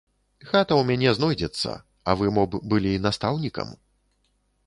Хата ў мяне знойдзецца, а вы мо б былі настаўнікам.